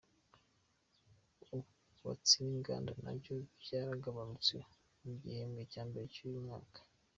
Ubwubatsi n’ inganda nabyo byaragabanutse mu gihembwe cya mbere cy’uyu mwaka.